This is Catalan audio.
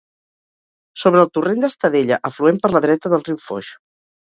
Sobre el torrent d'Estadella, afluent per la dreta del riu Foix.